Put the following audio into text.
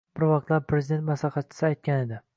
Bir vaqtlar prezident maslahatchisi aytgan edi: